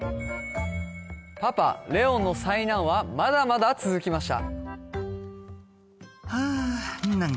パパ・レオンの災難はまだまだ続きました